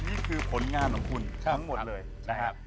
นี่คือผลงานของคุณทั้งหมดเลยนะครับ